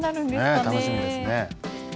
ねえ楽しみですね。